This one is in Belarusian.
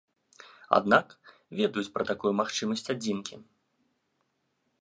Аднак, ведаюць пра такую магчымасць адзінкі.